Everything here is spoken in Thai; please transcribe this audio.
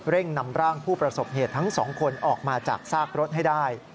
นำร่างผู้ประสบเหตุทั้งสองคนออกมาจากซากรถให้ได้